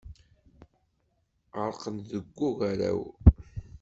Ɣerqen deg ugaraw.